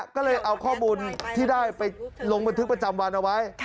ก็เลยเอาข้อมูลที่ได้ไปลงบันทึกประจำวันเอาไว้